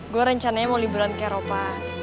gue rencananya mau liburan ke eropa